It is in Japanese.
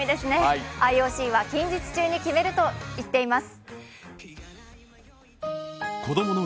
ＩＯＣは近日中に決めると言っています